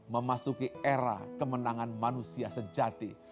memasuki era kemenangan manusia sejati